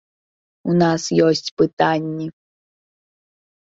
У нас ёсць пытанні.